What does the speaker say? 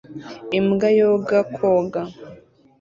Imbwa yoga koga